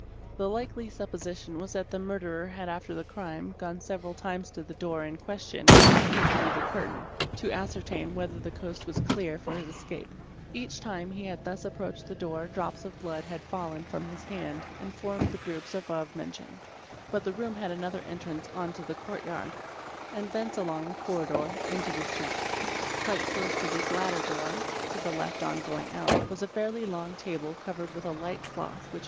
'The likely supposition was that the mur derer had after the crime gone several times to the door in question and peeped through the curtain to ascertain whether the coast was clear for his escape; each time he had thus approached the door drops of blood had fallen from his hand and formed the groups above mentioned. SEARCH FOR BLOOD 559 But the room had another entrance on to the court yard, and thence || along a corridor into the street. Quite close to this latter door (to the left on going out) was a fairly long table covered with a light cloth which